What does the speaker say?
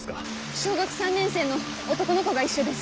小学３年生の男の子が一緒です。